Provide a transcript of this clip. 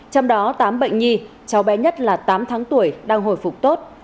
trong đó tám bệnh nhi cháu bé nhất là tám tháng tuổi đang hồi phục tốt